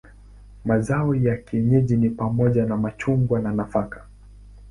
Mazao ya kienyeji ni pamoja na machungwa na nafaka.